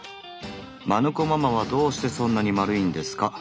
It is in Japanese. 「マヌ子ママはどうしてそんなに丸いんですか？」。